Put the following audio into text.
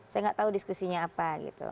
saya nggak tahu diskusinya apa gitu